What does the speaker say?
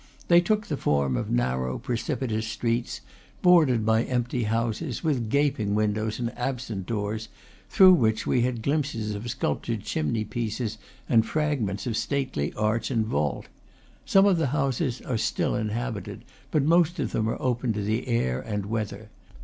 They took the form of narrow, precipitous streets, bordered by empty houses, with gaping windows and absent doors, through which we had glimpses of sculptured chimney pieces and fragments of stately arch and vault. Some of the houses are still inhabited; but most of them are open to the air and weather.